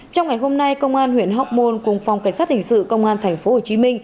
trong ngày hôm nay công an huyện hóc môn cùng phòng cảnh sát hình sự công an tp hcm